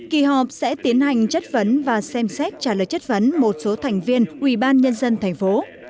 kỳ họp sẽ tiến hành chất vấn và xem xét trả lời chất vấn một số thành viên ubnd thành phố